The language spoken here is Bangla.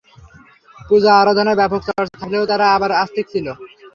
পূজা আরাধনার ব্যাপক চর্চা চললেও তারা আবার আস্তিক ছিল।